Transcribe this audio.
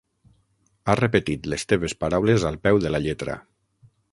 Ha repetit les teves paraules al peu de la lletra.